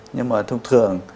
nhưng mà thông thường